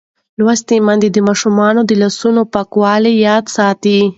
لوستې میندې د ماشومانو د لاسونو پاکولو یاد ساتي.